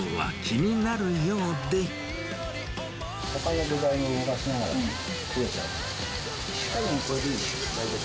ほかの具材を動かしながら、焦げちゃう。